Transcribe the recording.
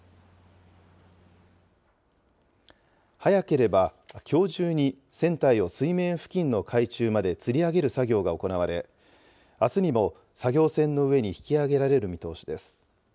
早ければきょう中に、船体を水面付近の海中までつり上げる作業が行われ、あすにも作業船の上に引き揚げられる見通しです。